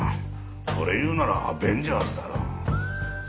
それ言うならアベンジャーズだろ。